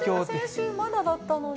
先週まだだったのに。